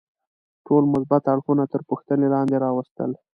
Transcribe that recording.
ټول مثبت اړخونه تر پوښتنې لاندې راوستل.